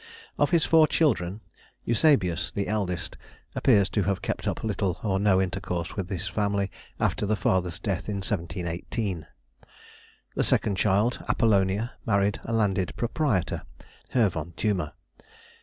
Of his four children, Eusebius, the eldest, appears to have kept up little or no intercourse with his family after the father's death in 1718. The second child, Apollonia, married a landed proprietor, Herr von Thümer.